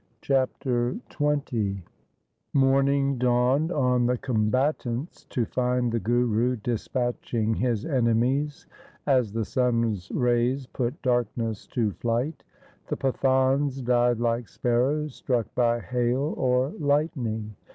Chapter XX Morning dawned on the combatants to find the Guru dispatching his enemies as the sun's rays put darkness to flight. The Pathans died like sparrows struck by hail or lightning.